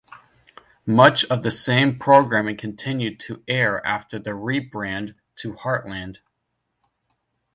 Much of the same programming continued to air after the rebrand to Heartland.